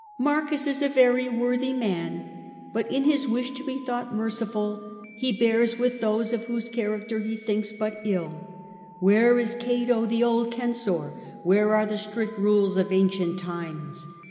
' Marcus is a very worthy man, but in his wish to be thought merciful he bears vuicacii with those of whose character he thinks but Gallicani c. ill. Where is Cato the old censor, where are the strict rules of ancient times?